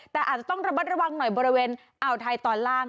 แต่อาจจะต้องระมัดระวังหน่อยบริเวณอ่าวไทยตอนล่าง